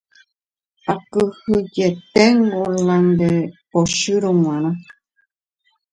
akyhyjeténgo la nde pochýramo g̃uarã